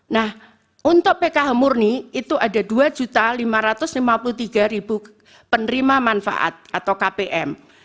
nah untuk pkh murni itu ada dua lima ratus lima puluh tiga penerima manfaat atau kpm